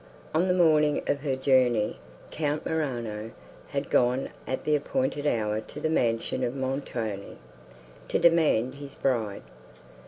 On the morning of her journey, Count Morano had gone at the appointed hour to the mansion of Montoni, to demand his bride.